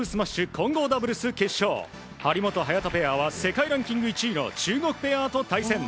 混合ダブルス決勝張本、早田ペアは世界ランキング１位の中国ペアと対戦。